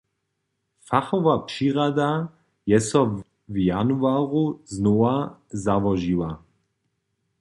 Fachowa přirada je so w januaru znowa załožiła.